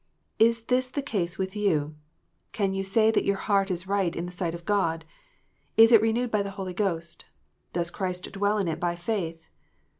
Is this the case with you 1 Can you say that your heart is right in the sight of God ? Is it renewed by the Holy Ghost? Does Christ dwell in it by faith?